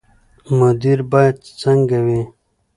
مدیر باید څنګه وي؟